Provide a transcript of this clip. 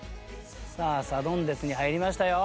さあサドンデスに入りましたよ。